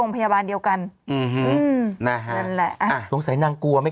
พ่ออานนท์จักตัวไป